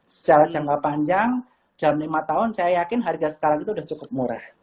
secara jangka panjang dalam lima tahun saya yakin harga sekarang itu sudah cukup murah